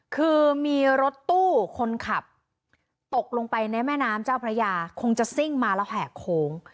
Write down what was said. คือมีรถตู้คนขับตกลงไปในแม่น้ำเจ้าพระยาคงจะซิ่งมาแล้วแหกโค้ง